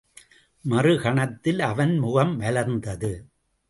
மறு கணத்தில் அவன் முகம் மலர்ந்தது.